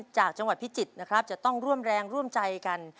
จากจังหวัดพิจิตรนะครับจะต้องร่วมแรงร่วมใจกัน